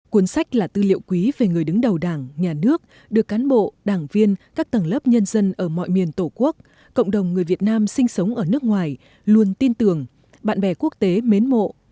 cuốn sách là tư liệu quý về người đứng đầu đảng nhà nước được cán bộ đảng viên các tầng lớp nhân dân ở mọi miền tổ quốc cộng đồng người việt nam sinh sống ở nước ngoài luôn tin tưởng bạn bè quốc tế mến mộ